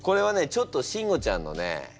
ちょっとシンゴちゃんのね